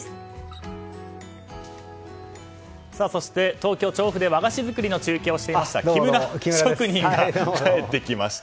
東京・調布市で和菓子作りの中継をしていた木村職人が帰ってきました。